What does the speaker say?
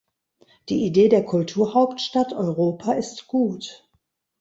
Die Idee der Kulturhauptstadt Europa ist gut.